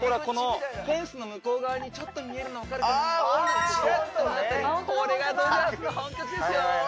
このフェンスの向こう側にちょっと見えるの分かるかな